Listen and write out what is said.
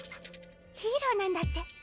ヒーローなんだって。